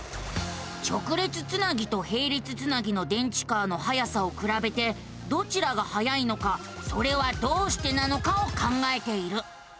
直列つなぎとへい列つなぎの電池カーのはやさをくらべてどちらがはやいのかそれはどうしてなのかを考えている。